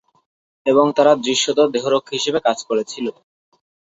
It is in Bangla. এবং তারা দৃশ্যত দেহরক্ষী হিসাবে কাজ করেছিল।